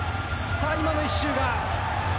今の１周が。